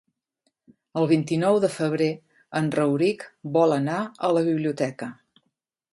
El vint-i-nou de febrer en Rauric vol anar a la biblioteca.